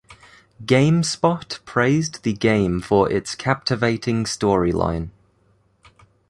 GameSpot praised the game for its captivating storyline.